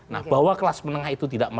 nah bahwa kelas menengah itu tidak mampu